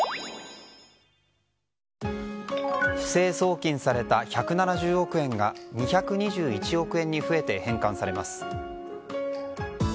不正送金された１７０億円が２２１億円に増えて返還されます。